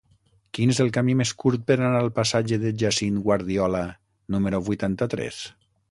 Quin és el camí més curt per anar al passatge de Jacint Guardiola número vuitanta-tres?